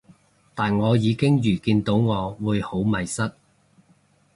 但我已經預見到我會好迷失